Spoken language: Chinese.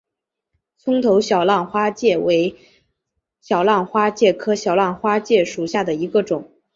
葱头小浪花介为小浪花介科小浪花介属下的一个种。